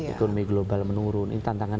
ekonomi global menurun ini tantangan